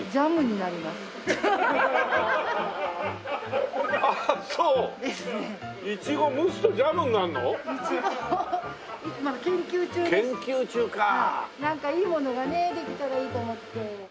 なんかいいものがねできたらいいと思って。